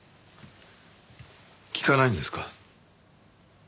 聞かないんですか？